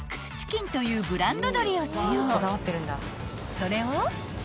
［それを］